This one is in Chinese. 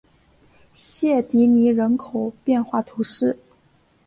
谢迪尼人口变化图示